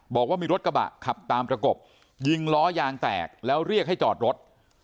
บอกว่ามีรถกระบะขับตามประกบยิงล้อยางแตกแล้วเรียกให้จอดรถ